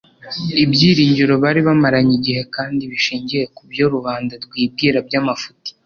Ibyiringiro bari bamaranye igihe kandi bishingiye ku byo rubanda rwibwira by'amafuti